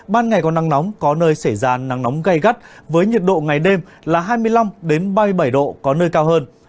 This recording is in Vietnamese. ban ngày có nắng nóng có nơi xảy ra nắng nóng gây gắt với nhiệt độ ngày đêm là hai mươi năm ba mươi bảy độ có nơi cao hơn